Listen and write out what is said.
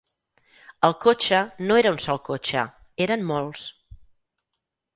El cotxe no era un sol cotxe, eren molts